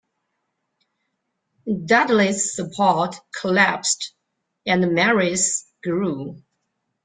Dudley's support collapsed, and Mary's grew.